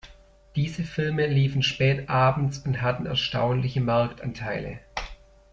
Diese Filme liefen spätabends und hatten erstaunliche Marktanteile.